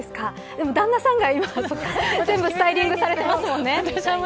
でも、旦那さんが全部スタイリングされていますもんね。